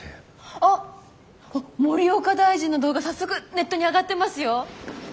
あっ森岡大臣の動画早速ネットに上がってますよ。